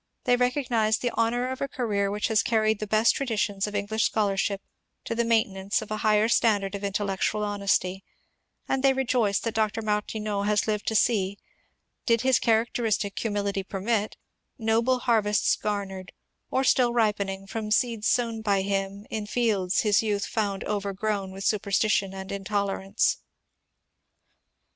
They recognize the honour of a career which has carried the best traditions of English scholarship to the maintenance of a higher standard of intellectual honesty ; and they rejoice that Dr. Martineau has lived to see, did his characteristic humility permit, noble harvests garnered, or still ripening, from seeds sown by him in fields his youth found overgrown with superstition and intolerance."